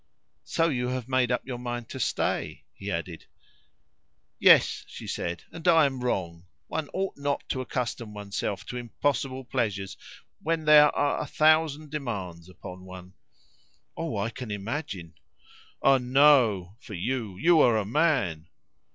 "So you have made up your mind to stay?" he added. "Yes," she said, "and I am wrong. One ought not to accustom oneself to impossible pleasures when there are a thousand demands upon one." "Oh, I can imagine!" "Ah! no; for you, you are a man!"